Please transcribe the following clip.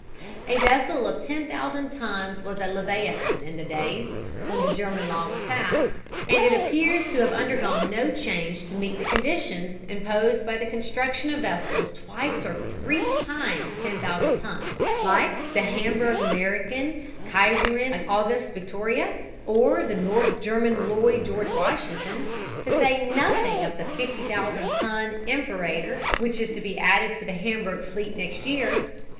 A vessel of 10,000 tons was a "leviathan" in the days when the German law was passed, and it appears to have undergone no change to meet the conditions, imposed by the construction of vessels twice or three times 10,000 tons, like the Hamburg American Kaiserin Auguste Victoria, or the North German Lloyd George Washington, to say nothing of the 50,000 ton Imperator, which is to be added to the Hamburg fleet next year.